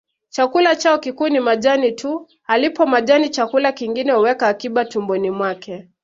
Chakula chao kikuu ni majani tu alipo majani chakula kingine huweka akiba tumboni mwake